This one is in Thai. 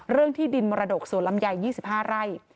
เรื่องที่ดินมรดกสวรรค์ลำไหญ่๒๕ไร่